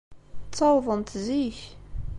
Ttawḍent zik.